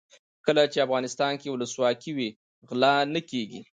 کله چې افغانستان کې ولسواکي وي غلا نه کیږي.